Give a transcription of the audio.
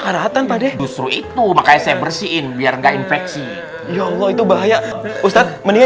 keratan pada justru itu makanya saya bersihin biar nggak infeksi yolo itu bahaya ustadz mending